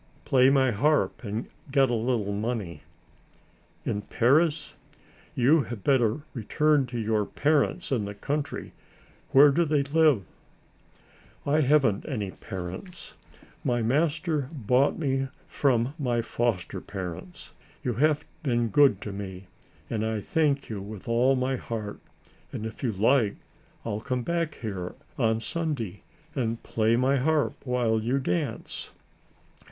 "Play my harp and get a little money." "In Paris? You had better return to your parents in the country. Where do they live?" "I haven't any parents. My master bought me from my foster parents. You have been good to me and I thank you with all my heart and, if you like, I'll come back here on Sunday and play my harp while you dance."